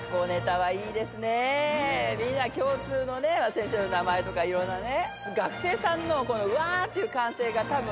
みんな共通のね先生の名前とかいろんなね。